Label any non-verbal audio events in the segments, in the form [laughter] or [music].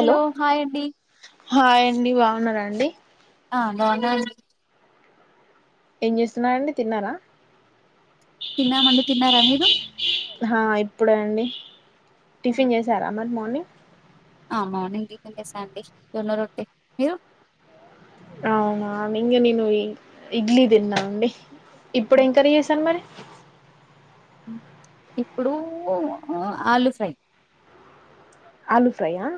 Hello hi అండి. Hi అండి బావున్నారాండి ఆ బావున్నాన్ ఏం చేస్తున్నారండి తిన్నారా. తిన్నామండి. తిన్నారా మీరు? హా, ఇప్పుడండి టిఫిన్ చేశారా అ మరి మార్నింగ్. అని ఆ మార్నింగ్ టిఫిన్ చేసానండి జొన్న రొట్టె మీరు ఆ అవునా ఇంగ నేను ఇడ్లీ తిన్నానండి ఇప్పుడు ఏం కర్రీ జేశాను మరీ ఉమ్ ఇప్పుడూ ఆలు ఫ్రై ఆలు ఫ్రై ఆ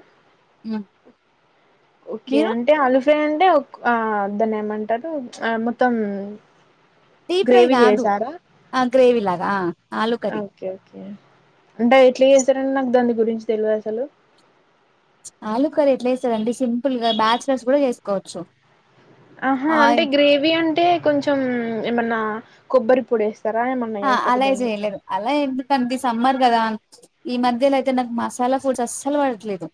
ఓకే మీరు అంటే అలోచ్ లేదంటే ఒక్ ఆ దాన్నే మంటారు మొత్తం డీ గ్రేవీ ఫ్రైగాదు చేసారా ఆ గ్రేవి లాగా ఆ ఆలు కర్రీ ఓకే అంటే ఎట్లా చేస్తారండి నాకు దాని గురించి తెలువదు అసలు చ్ ఆలు కర్రీ ఎట్లా జేస్తారంటే సింపుల్ గా బ్యాచలర్స్ గూడ జేసుకోవచ్చు ఆహా అంటే గ్రేవీ అంటే కొంచెం ఏమన్నా కొబ్బరి పొడస్ ఆ అలా ఏం చేయలేమ్మ్ అలా ఎందుకంటే సమ్మర్ కదా ఈ మధ్యలైయితే నాకు మసాలా ఫుడ్స్ అస్సలు పడట్లేదు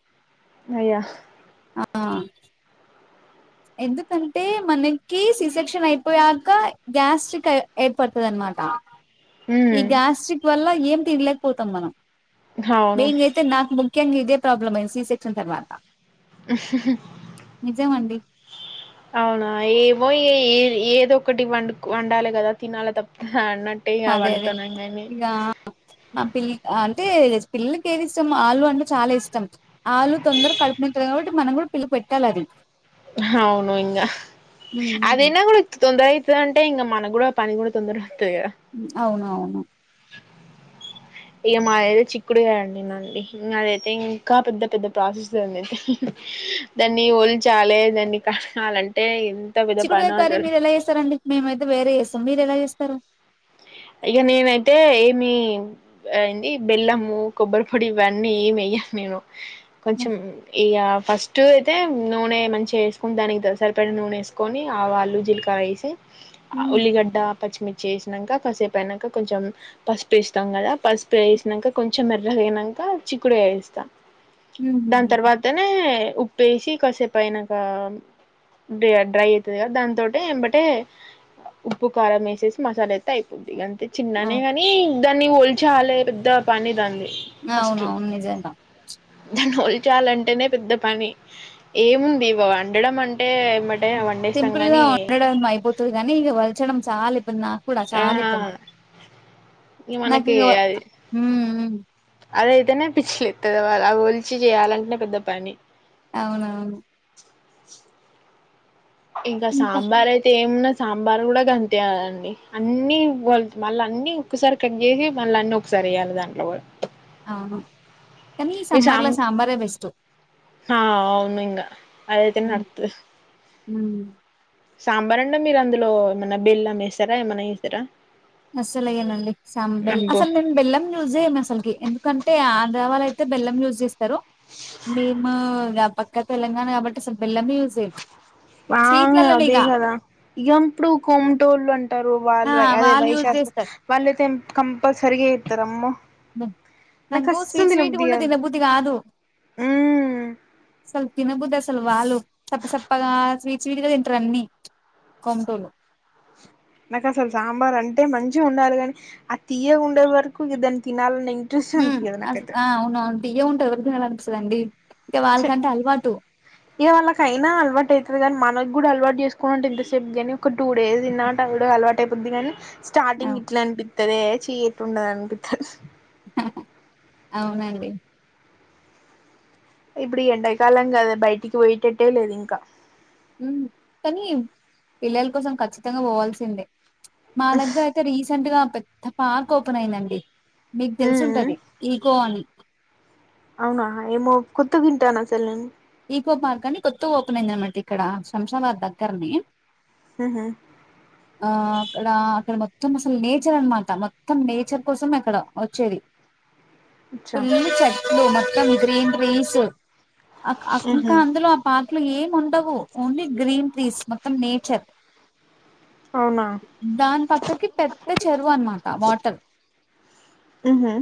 అయ్యా ఆ ఎందుకంటే మనకి సీసెక్షన్ అయిపోయాక గ్యాస్ట్రిక్ ఏర్పడుతది అనమాట ఈ ఉమ్ గ్యాస్ట్రిక్ వల్ల ఏ తినలేకపోతాం మనం అవును. బెయింగ్ అయితే నా ముగ్ ఇంకేం ఇదే ప్రాబ్లమ్మయది స సి సెక్షన్ తర్వాత నిజం అండి అవునా ఏమో ఏ ఏ ఏదో ఒకటి వండుకో వండాలే గదా తినాలే తప్పత హా అన్నటే ఇగా అదే అదే వండుతున్న ఇగ ఏమీ ఇక నా పిల్ అంటే పిల్లలకి ఏది ఇష్టం ఆలు అంటే చాలా ఇష్టం. ఆలు తొందరగా కడుపు నిండుతాది కాబట్టి, మనం కూడా పిల్ల పెట్టాలి అది. అవును ఇంగ హ్మ్ హ్మ్. అదేనా కూడా ఇంత తొందర ఇతుద అంటే ఇంగ మన కూడా పని కూడా తొందర ఉమ్ అవునవును ఇక మాదియితే చిక్కుడుగా అండి నడి ఇం అదైతే ఇంకా పెద్ద పెద్ద ప్రాసెస్ందియితే దాన్ని వల్చాలి దాన్ని కలాలంటే చికుడుకాయ కర్ర మీరు ఎలా చేస్తారం అడి మేమయితే వేరే వేస్ మీర్ ఎలా చేస్తారు ఇక నేనైతే ఏమి అంది బెల్లము కొబ్బరి పొడి ఇవన్నీ ఏమెయ్యను నేను హ్మ్. కొంచెం ఇగా ఫస్టు అయితే నూనె మంచిగా ఏసుకుని దానికి సరిపడిన నూనె వేసుకొని ఆవాలు జీలకర్ర ఏసి ఆ హ్మ్. ఉలీగడ్డ పచ్చిమిర్చ్ ఏసినంక కాసేపు అయినాక కొంచెం పసుపు వేస్తాం కదా పసుపు వేసినాక కొంచెం మెర్రగా అయినాక చిక్కుడుగాయ వేస్తా దాని హుహుహుహు. తర్వాతనే ఉప్పు ఏసి కసేపైనక ఇగ డ్రై ఐతది కదా దాంతోటే ఏంబటే ఉప్పు కారం వేసేసి మసాలా ఎస్ టైపుది ఇగ అం చిన్నానే అవును. గనీ దాన్ని ఒల్చాలే పెద్ద పని దాంది అవునవును నిజంగా చాలంటేనే పెద్ద పని ఏముంది ఇవ వండడం అంటే ఎంబటే ఉ వండేస్తాం సింపుల్ గా గాని ఉండడం అయిపోతది కానీ ఇక వలచడం చాలా ఇ ఇపుడు నాకూడా ఆ చాల ఇబ్బంది ఇగ మనకి నాకిగో ఊ ఊ అదైతేనే పిచ్చిలేతది అగో అది ఒల్చి చేయాలంటనే పెద్ద పని అవునవును ఇంకా సాంబార్ అయితే ఏం ఉన్నద్ సాంబార్ గుడా గంతే అండి అన్ని వాళ మళ్ళీ అన్ని ఒక్కసారి కట్ జేసి మళ్ళీ అన్ని ఒకసారి వయ్యాలి దాంట్లో అను కానీ ఈ మీ సమ్మర్ సాం లో సాంబారే బెస్ట్ అవును ఇంగ అదైతే నర్తు ఉ సాంబార్ అంటే మీరు అందులో ఏమన్నా బెల్లం ఏస్తారా ఏమన్నా ఏస్తారా అస్సలు ఏయనండి సాం బెల్ అసలు నేను బెల్లం యూజ చేయము అసలుకి ఎందుకంటే ఆ [unintelligible] త్తే బెల్లం యూజ్ చేస్తారు మేమ పక్క తెలంగాణ కాబట్టి వాంగ స్వీట్‌లల్లనిగ అదే కదా ఇగ ఇప్పుడు కొమటోళ్ళు అంటారు ఆ! వాళ్ళు అదే వాళ్ళు యూజ్ వైశ్యాస్ జేస్తారు. వాళ్ళైతే ఏం కంపల్సరిగ ఏత్తరమ్మొ నాకు స్వీట్ స్వీట్ గుంటే కాదు దిన బుద్ధిగాదు అస్సల్ తినబుద్ది అస అసలు వాళ్ళు సప్ప సప్పగా స్వీట్ స్వీట్ గా తింటారు అన్ని కొమటోలు నాకు అసలు సాంబార్ అంటే మంచిగా ఉండాలి గాని ఆ తియ్య ఉండే వరకు దాన్ని తినాలని ఇం హ అస్ ఆ అవును తియ్యగ ఉంట తినాలనిపిస్తది అండి ఇగ వాళ్ళకయినా అలవాటు అయితాది గాని మనో గూడా అలవాటు చేసుకో అంటే ఎంతేపు గాను ఒక టూ డేస్ దిన్న అంట గుడు అలవా [unintelligible] వొద్దు గాని ఆ! స్టార్టింగ్ ఇట్లా అనిపిత్ ఉత్తదే చీ ఎట్లుండాది అనిపిత్తాది అవునండి ఇబ్బుడు ఈ ఎండాకాలం కదా బయటికి పోయేటట్టే లేదు ఇంకా ఉ కానీ పిల్లల కోసం ఖచ్చితంగా పోవాల్సిందే మా లగ్గ అయితే రీసెంట్ గా పెద్ద పార్క్ ఓపెన్ అయిందండి మీకు ఉమ్ తెలుసు ఉమ్ ఉంటది ఈకో అని అవునా ఏమో కొత్తగింటన్న అసలు నేను ఈకో పార్క్ అని కొత్తగా ఓపెన్ అయిందనమాట ఇక్కడ శంషాబాద్ దగ్గరనె ఉహు ఆ అక్కడ అక్కడ మొ మొత్తం అసలు నేచర్ అనమాట మొత్తం నేచర్ కోసం అక్కడ వచ్చేది అచ్చా ఫుల్లు చెట్లు మొ త్తం గ్రీన్ ట్రీసు అక్ అక్ ఇంకా ఉహు అందులో ఆ బాగ్ అట్లు ఏం ఉండవు. ఓన్లీ గ్రీన్ ట్రీస్ మొత్తం నేచర్. అవునా దాన్ పక్కకి పెద్ద చెరువు అన్మాట వాటర్. ఊహు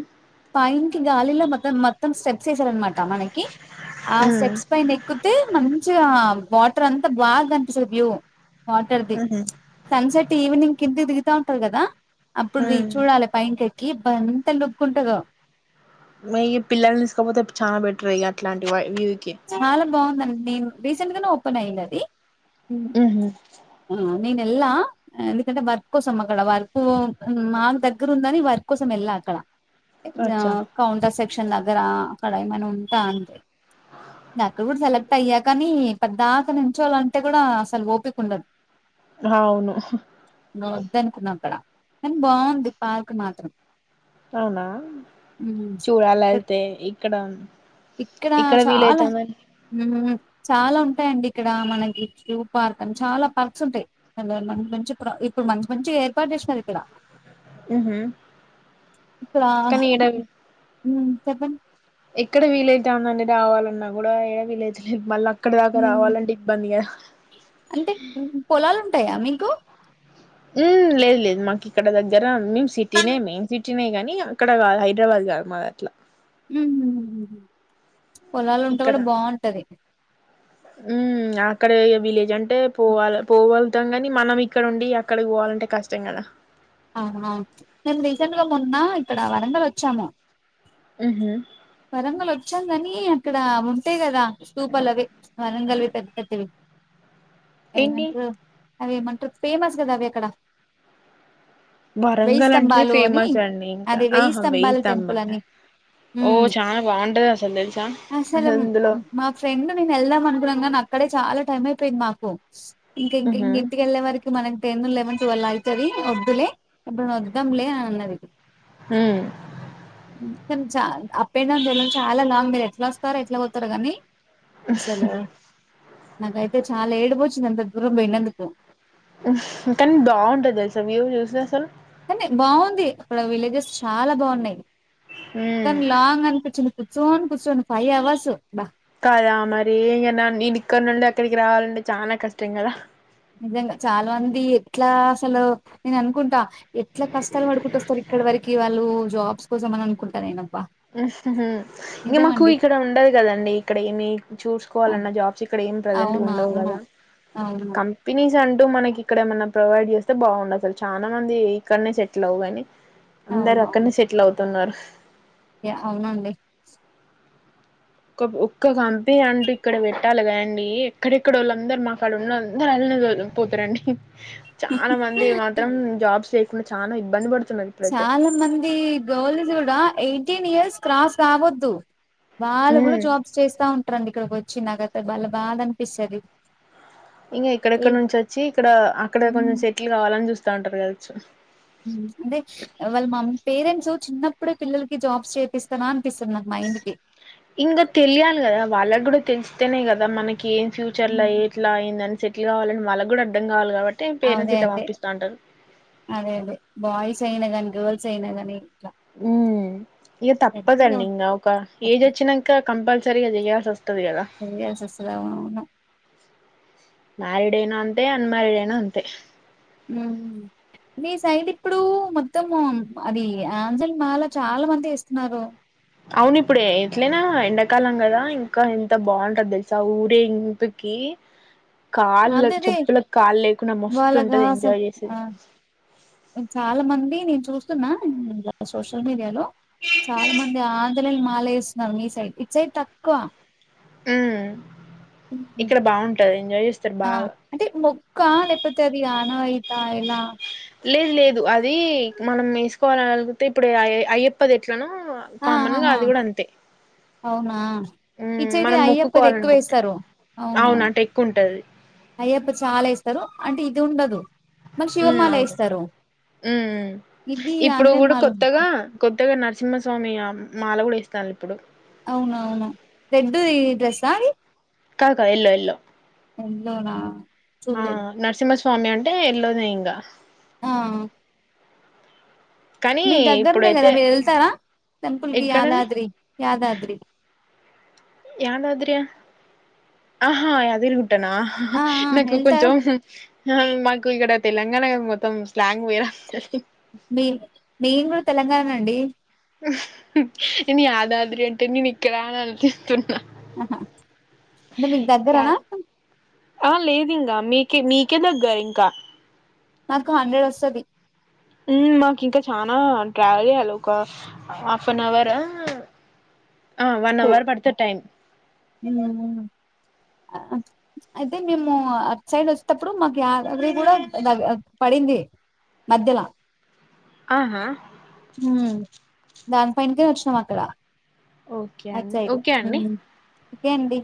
పైన్ కి గాలిలో మత్త మొత్తం స్టెప్ ప్స్ ఏసారనమాట మనకీ. ఆ ఉమ్ స్టెప్స్ పైన ఎక్కుతే మంచిగా వాటర్ అంతా బాగా కనిపిస్తది వ్యూ. వాటర్ ది. ఉహు సన్సెట్ ఈవినింగ్ కిందిక్ దిగుతా ఉంటరు గదా. అప్పుడు దిగి ఉమ్ చూడాలే పైన్కి ఎక్ కీ బంతలుక్ కుంటగా మేయి పిల్లల్ని తీసకపోతే చానా బెటర్ ఇగ అట్లాంటి వయ్ వ్యూ చాలా బాగుందండి నేను రీసెంట్గనే ఓపెన్ అయ్యింద్ అదీ. ఉహు ఆ నేన్ ఎళ్లా. ఎందుకంటే వర్క్ కోసం అక్కడ వర్కూ మాకు దగ్గర ఉందని వర్క్ కోసం ఎళ్ళా అక్కడా. ఆ అచ్చా కౌంటర్ సెట్ క్షన్ నగరా అక్కడ ఏమైనా ఉంటే అంతే. నే అక్కడ కూడా సెలెక్ట్ అయ్యా కానీ. పద్దాక నించోళ్ళంటే గూడా అసల్ ఓపిక ఉండద్. అవును వద్ద అనుకున్నాం అక్కడా. కానీ బాగుంది పార్క్ మాత్రం. అవునా హ్మ్ చూడాల ఎళ్తే ఇక్కడా ఇక్కడా చాలా ఊ చాలా ఉంటాయండి. ఇక్కడా మనకి జూ పార్క్ అని చాలా పార్క్స్ ఉంటాయి. మంచి మంచి ఇప్పుడు మంచి మంచి ఏర్పాటు చేశినరు ఇక్కడా. ఊహు ఇక్కడ కానీ ఈడ హ్మ్ చెప్పండి ఎక్కడ వీళై తాంది అండి డాబాలున్నా గూడా ఏడ విలేజ్ లేద్ మళ్ళా ఊ అంటే ఊహు పొలాలు ఉంటాయా మీక్ ఉమ్ లేద్ లేద్ మాకిక్కడ దగ్గరే ఉం మేం సిటీనే మెయిన్ సిట్ టినే గానీ అక్కడ గాద్ హైదరాబాద్ గాదు మాది అట్లా ఊహూ పొలాల్ ఉంటే గూడా బాగుంటది. ఊ అక్కడ ఇగ విలేజ్ అంటే పోవాల పోగలుగుతాం గాని. మనం ఇక్కడ ఉండీ అక్కడకి పోవాలంటే కష్టం గదా. అవును అవున్. మేమ్ రీసెంట్ గా మొన్నా ఇక్కడా వరంగల్ వచ్చాము. ఉహు వరంగల్ వచ్చాం కాని అక్కడ ఉంటాయి, కదా స్తూపలు అవి వరంగల్వి పెద్ద పెద్దవి, అయ్యి ఏంటి ఏమంటారు అవి ఫేమస్ కదా అవి అక్కడ, వెయ్యి వరంగల్ అంటేనే స్తంభాలు అని ఫేమస్ అండి ఇంకా అది ఆహా వెయ్యి టెంపుల్ స్తంభాల అని ఓ ఉమ్ చాల, బాగుంటది అసలు తెలుసా అసలు మా ఫ్రెండ్ నేను వెళ్దాం అనుకున్నాంగాని అక్కడే చాలా టైమ్ అయిపోయింది మాకు ఇం ఇంక ఇం ఉహు ఇంటికెళ్లే వరకి మనకి టెన్త్ లెవెన్త్ ట్వల్ అవుతుంది, వద్దులే ఎప్పుడున్నా వాదం లే అన్నది. హు చా అప్ అండ్ డౌన్ చేయడం చాలా లాంగ్ మీరాజ్, ఎట్లా వస్తారో, ఎట్లా బోతారో కానీ అసలు నాకైతే చాలా ఏడుపోచ్చింద. అంత దూరం పోయినందుకు, కానీ బాగుంటది అసలు వ్యూవ చూస్తే అసలు, కానీ బాగుంది అక్కడ విలేజెస్ చాలా బాగున్నాయి. కానీ లాంగ్ అనిపించింది. కూచోని కూచోని ఫైయి అవర్స్ అబ్బా కదా మరి నేను ఇక్కడి నుండి అక్కడికి రావాలంటే చాలా కష్టం కదా, నిజంగా చాలా మంది ఎట్లా అసలు నేను అనుకుంటా, ఎట్లా కష్టాలు పడుకుంటుస్తారు, ఇక్కడ వరకి వాళ్ళు జాబ్, స్ కోసం అని అనుకుంటా, నేను హు ఇంకా మాకు ఇక్కడ ఉండదు కదండి ఇక్కడ ఏమి చూ, అద్ పోవాలన్నా జాబ్స్ ఇక్కడ ఏం ప్రసెంట్ గా అవును ఉండవు అవును కదా అవును కంపెనీ, అంటూ మనకి ఇక్కడ ఏమైన్నా ప్రొవైడ్ చేస్తే బాగుండు, అసలు చాలా మంది ఇక్కడనే సెటిల్ అవ్వుకానీ, అందరు అవునవును అక్కడనే సెట్ల్ అవుతు, సున్నారు, అవునండి ఒక్క కంపెనీ అంటూ ఇక్కడ పెట్టాలి, కానీ ఎక్కడెక్కడ వొళ్ళు అందరు మాకాలేజ్లో ఉన్న అందరు అళ్ళనే పోతారండి. చాలా మంది మాత్రం జాబ్స్, చాలా ఇబ్బంది పడుంతు, చాలా మంది గర్ల్స్ కూడా ఎయి ఫిఫ్టీన్ ఇయర్స్ క్రాస్ కావొద్దు, వాళ్ళు కూడా ఉమ్ జాబ్స్ చేస్తా, ఉంటారండి ఇక్కడికి చి నాకైతే భలే బాధ అనిపిస్తది. ఇంకా ఎక్కడెక్కడ నుంచి వచ్చి ఇక్కడ అక్కడ ఎయి కొంచెం సెటిల్ కావాలని చూస్త తండర్గావచు అంటే వాళ్ళ మ పేరెంట్స్ చిన్నప్పుడే పిల్లలకి జాబ్స్ చేపిస్తానా అనిపిస్తుంది నాకు మైండ్ కి ఇంకా తెలియాలి కదా వాళ్ళకు కూడా తెలిస్తేనే కదా మనకి ఏం ఫ్యూచర్ ఉమ్. ఎట్లా అయింద అని ట్ కావాలని వాళ్ళకి కూడా అర్ధం కావాలి కాబటి అదే అదే అదే అదే బాయ్స్ అయిన కానీ గర్ల్స్ అయినా కానీ ఉ ఇంక తప్పదండి ఇంకా ఒక ఏజ్ వచ్చినాక కంపల్సరగా చేయాల్సి అస చేయాల్సి వస్తది అవునవును మ్యారిడ్ అయినా అంతే అన్మారిడ్ అయినా అంతే ఉ నీ సైడ్ ఇప్పుడు మొత్తం అది ఆంజలి మాల చాలా మంది ఇస్తున్నారు అవును ఇప్పుడు ఎట్లనా ఎండాకాలం కదా ఇంకా ఎంత బాగుంటది తెలుసా ఊరేగింపు కి కాళ్ళ అదే అదే చెప్పులకుకి కాళ్లు లేకుండా మస్తు వాళ్ళగా ఉంటది అసలు ఎంజాయ్ చేసేది ఆ చాలా మంది నేను సోషల్ మీడియాలో చాలా మంది ఆంధ్ర చాల వేస్తున్నారు మీ సైడ్ ఇట్ సైట్ తక్కువ అ చేస్తారు ఆ బాగా అంటే మొక్క లేకపోతే అది [inaudible] లేదు లేదు అది అది మనం వేసు కోరలిగితే ఇప్పుడు అయ్యప్పది ఎట్లన ఆహాహా అవునా మ్మ్ ఇచ్చైతే మనం అయ్యప్పది ఎక్కువ మొక్కుకోవాలనుకుంటే వేస్తారు అవును అవునవును అటు ఎక్కువ ఉంటది అయ్యప్ప చాలా వేస్తారు అంటే ఇది ఉండదు మళ్ళీ ఉ శివమాల అవును ఏస్తారు ఉ ఇది ఇప్పుడు ఆంజనేయ కూడా మాల కొత్తగా కొత్తగా నరసింహస్వామి మాల కూడా ఇస్తాను ఇప్పుడు అవున అవునా రెడ్ ఈ డ్రెస్సాది కాదు కాదు ఎల్లో ఎల్లో ఎంత నా చిలెడ్డి స్వామి అంటే ఎల్ల్లోనే ఇంకా ఆ కానీ మీకు దగ్గరనే కదా ఇప్పుడైతే మీరు వెళ్తారా టెంపుల్ కి ఎక్కడండి యాదాద్రి యాదాద్రి యాదద్రి ఆహా యాద ఆ ఆ నాకు ఎళ్తారా కొంచెం మాకు ఇక్కడా తెలంగాణ మొత్తం స్లాంగ్ వేరా మేం మేము కూడా తెలంగాణ ఏ అండి. నేను యాదాద్రి అంటే నేను ఇక్కడ అని ఆలోచిస్తున్న. ఆహ అంటే మీకు దగ్గరనా ఆ లేదు ఇంకా మీకే మీకే దగ్గర ఇంకా నాకు హండ్రెడ్ వస్తది. మాకు ఇంకా చనా ట్రావెల్ చేయ్యాలి ఒక హాఫ్ అన్ అవర్ ఆ ఆ వన్అవర్ పడుతది టైం. ఉమ్ అయితే మేము అటు సైడ్ వస్తపుడు మాకు యాదాద్రి కూడా పడింది మధ్యల ఆహా దాని పైనకే వచ్చినాం అక్కడ ఓకే అటు అండి సైడ్ ఓకే అండి. ఉమ్ అండి.